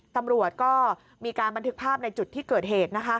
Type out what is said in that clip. ตำรวจก็มีการบันทึกภาพในจุดที่เกิดเหตุ